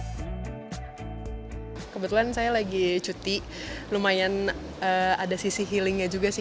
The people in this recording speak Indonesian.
kebetulan saya lagi cuti lumayan ada sisi healingnya juga sih